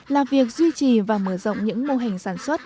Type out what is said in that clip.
là việc duy trì và mở rộng những mô hình sản xuất